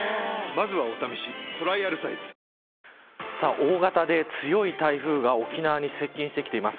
大型で強い台風が沖縄に接近してきています。